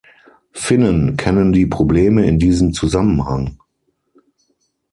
Finnen kennen die Probleme in diesem Zusammenhang.